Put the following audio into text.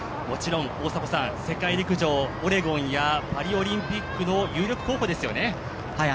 もちろん大迫さん、世界陸上オレゴンやパリオリンピックの有力候補ですよね。